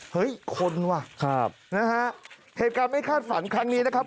เฮ้ยคนว่ะครับนะฮะเหตุการณ์ไม่คาดฝันครั้งนี้นะครับ